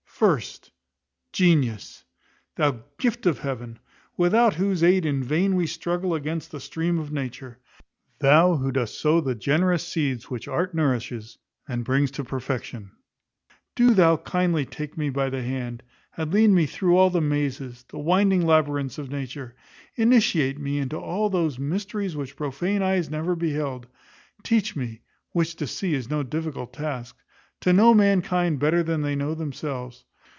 First, Genius; thou gift of Heaven; without whose aid in vain we struggle against the stream of nature. Thou who dost sow the generous seeds which art nourishes, and brings to perfection. Do thou kindly take me by the hand, and lead me through all the mazes, the winding labyrinths of nature. Initiate me into all those mysteries which profane eyes never beheld. Teach me, which to thee is no difficult task, to know mankind better than they know themselves.